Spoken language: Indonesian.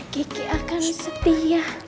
kiki akan setia